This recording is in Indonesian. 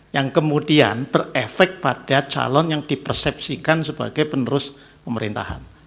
yang kemudian berefek pada calon yang dipersepsikan sebagai penerus pemerintahan